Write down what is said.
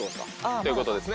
・ということですね。